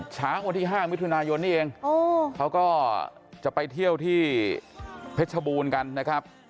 เช้าวันที่๕มิถุนายนนี่เองเขาก็จะไปเที่ยวที่เพชรบูรณ์กันนะครับ